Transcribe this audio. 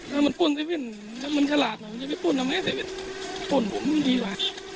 ถ้ามันปล้นเซเว่นถ้ามันขลาดมันจะไปปล้นแล้วไหมเซเว่นปล้นผมไม่ดีกว่า